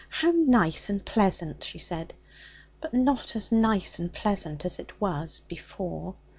'How nice and pleasant!' she said; 'but not as nice and pleasant as it was before.'